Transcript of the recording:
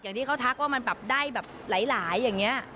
อย่างที่เขาทักว่ามันได้แบบหลายอย่างนี้